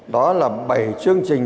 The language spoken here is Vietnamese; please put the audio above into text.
đó là bảy chương trình